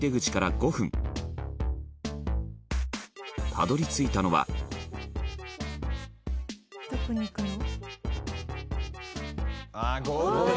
たどり着いたのは羽田：どこに行くの？